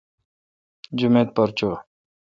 جمیت پر چو۔